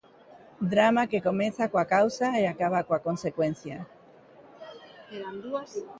Drama que comeza coa causa e acaba coa consecuencia.